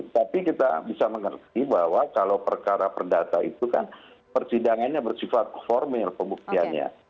tapi kita bisa mengerti bahwa kalau perkara perdata itu kan persidangannya bersifat formil pembuktiannya